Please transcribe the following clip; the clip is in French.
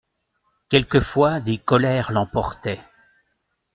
Quelquefois des colères l'emportaient.